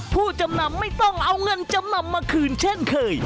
ผู้จำนำไม่ต้องเอาเงินจำนำมาคืนเช่นเคย